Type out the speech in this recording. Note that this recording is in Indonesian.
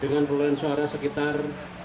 dengan perulangan suara sekitar